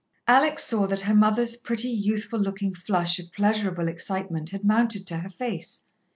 Alex saw that her mother's pretty, youthful looking flush of pleasurable excitement had mounted to her face.